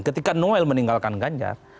ketika noel meninggalkan ganjar